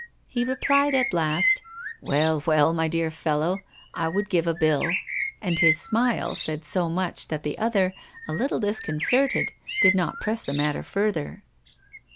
he replied at last: "Well, well, my dear fellow, I would give a bill." And his smile said so much that the other, a little disconcerted, did not press the matter further.